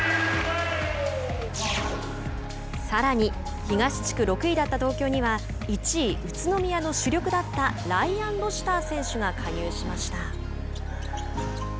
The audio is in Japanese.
さらに東地区６位だった東京には１位宇都宮の主力だったライアン・ロシター選手が加入しました。